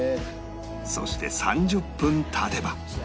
そして３０分経てば